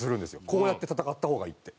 こうやって戦った方がいいって。